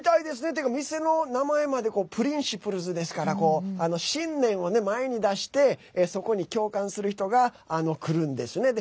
というか店の名前までＰｒｉｎｃｉｐｌｅｓですから信念を前に出してそこに共感する人が来るんですね。